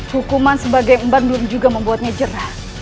hukuman sebagai umbandur juga membuatnya jerah